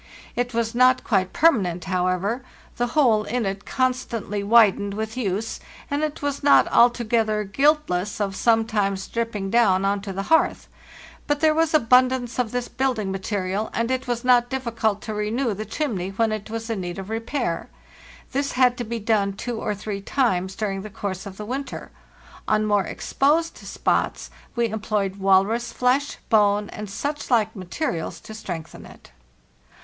It was not quite permanent, however; the hole in it con stantly widened with use, and it was not altogether guilt less of sometimes dripping down on to the hearth; but there was abundance of this building material, and it was not difficult to renew the chimney when it was in need of repair. This had to be done two or three times dur ing the course of the winter. On more exposed spots we employed walrus flesh, bone, and such like materials to strengthen it.